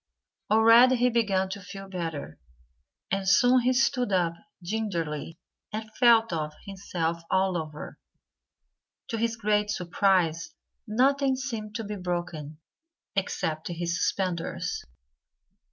Already he began to feel better. And soon he stood up gingerly and felt of himself all over. To his great surprise, nothing seemed to be broken except his suspenders.